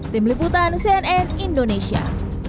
tim liputan cnn indonesia